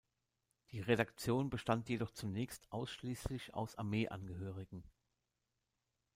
Die Redaktion bestand jedoch zunächst ausschließlich aus Armeeangehörigen.